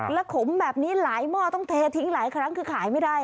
แล้วขมแบบนี้หลายหม้อต้องเททิ้งหลายครั้งคือขายไม่ได้